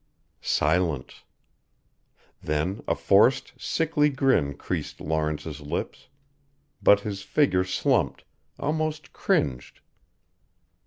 Silence! Then a forced, sickly grin creased Lawrence's lips but his figure slumped, almost cringed.